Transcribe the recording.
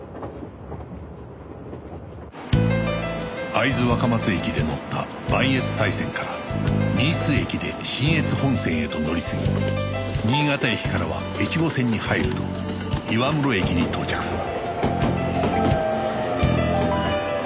会津若松駅で乗った磐越西線から新津駅で信越本線へと乗り継ぎ新潟駅からは越後線に入ると岩室駅に到着する